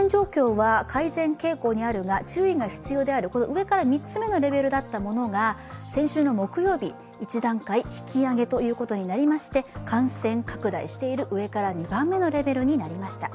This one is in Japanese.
上から３つ目のレベルだったものが先週木曜日、１段階引き上げということになりまして、感染拡大している上から２番目のレベルになりました